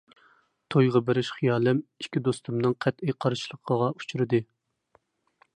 تويغا بېرىش خىيالىم ئىككى دوستۇمنىڭ قەتئىي قارشىلىقىغا ئۇچرىدى.